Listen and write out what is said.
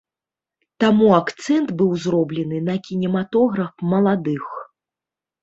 Таму акцэнт быў зроблены на кінематограф маладых.